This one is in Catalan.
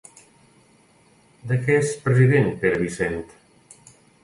De què és president Pere Vicent?